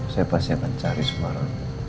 saya pasti akan cari semarang